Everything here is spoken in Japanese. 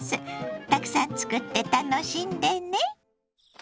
たくさんつくって楽しんでね。